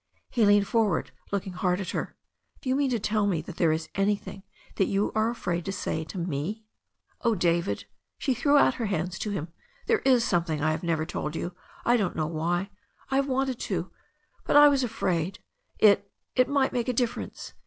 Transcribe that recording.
He leaned for ward, looking hard at her. "Do you mean to tell me that there is anything that you are afraid to say to me?" "Oh, David," she threw out her hands to him. "There is something I have never told you — I don't know why — I have wanted to, but I was afraid it — it might make a differ ence.